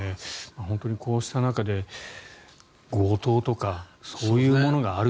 本当にこうした中で強盗とかそういうものがあると。